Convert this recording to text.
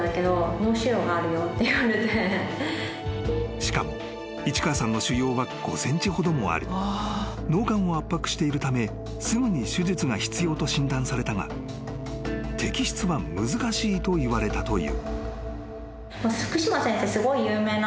［しかも市川さんの腫瘍は５ｃｍほどもあり脳幹を圧迫しているためすぐに手術が必要と診断されたが摘出は難しいといわれたという］